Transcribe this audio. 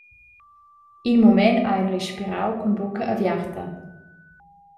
In mument ha el respirau cun bucca aviarta.